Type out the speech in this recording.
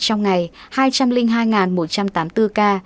trong ngày hai trăm linh hai một trăm tám mươi bốn ca